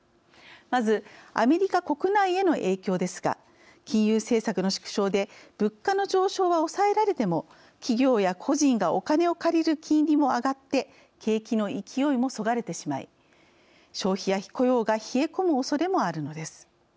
まずアメリカ国内への影響ですが金融政策の縮小で物価の上昇は抑えられても企業や個人がお金を借りる金利も上がって景気の勢いもそがれてしまい消費や雇用が冷え込むおそれもあるのです。